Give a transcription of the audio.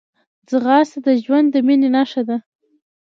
ځغاسته د ژوند د مینې نښه ده